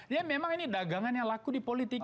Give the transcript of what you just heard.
ya memang ini dagangan yang laku di politik